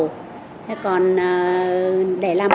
thế còn để làm bột